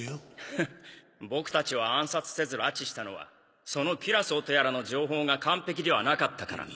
フッ僕たちを暗殺せず拉致したのはそのキュラソーとやらの情報が完璧ではなかったから。